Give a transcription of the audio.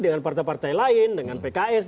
dengan partai partai lain dengan pks